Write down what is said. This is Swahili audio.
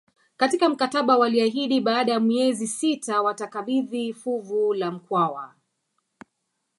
Katika mkataba waliahidi baada ya miezi sita watakabidhi fuvu la Mkwawa